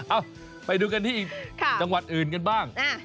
เอ้าไปดูกันที่อีกจังหวัดอื่นกันบ้าง